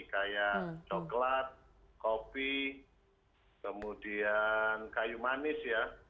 kayak coklat kopi kemudian kayu manis ya